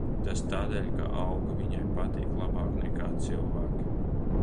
Tas tādēļ, ka augi viņai patīk labāk nekā cilvēki.